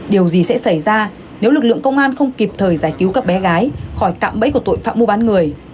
điều gì sẽ xảy ra nếu lực lượng công an không kịp thời giải cứu các bé gái khỏi cạm bẫy của tội phạm mua bán người